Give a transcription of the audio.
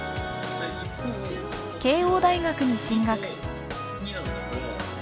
慶應大学に進学。